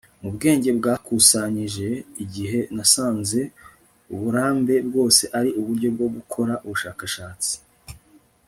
mu bwenge bwakusanyije igihe nasanze uburambe bwose ari uburyo bwo gukora ubushakashatsi